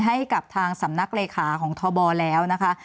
ให้กับทางสำนักเลขาของทบแล้วนะคะ